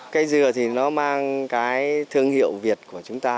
cây dừa thì nó mang cái thương hiệu việt của chúng ta